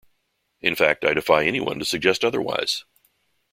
In fact, I defy anyone to suggest otherwise.